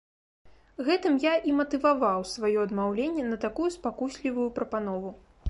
Гэтым я і матываваў сваё адмаўленне на такую спакуслівую прапанову.